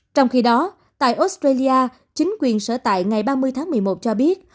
trong khi đó tại australia chính quyền sở tại ngày ba mươi tháng một mươi một cho biết